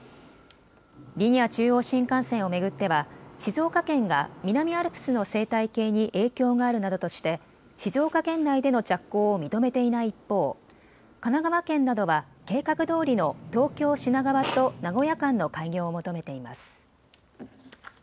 リニア中央新幹線を巡っては静岡県が南アルプスの生態系に影響があるなどとして静岡県内での着工を認めていない一方、神奈川県などは計画どおりの東京品川と名古屋間の開業を求めています。